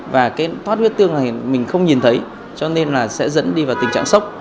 và cái thoát huyết tương này mình không nhìn thấy cho nên là sẽ dẫn đi vào tình trạng sốc